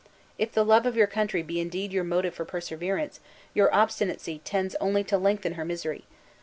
If the love of your country be indeed your motive for perseverance, your obstinacy tends only to lengthen her misery.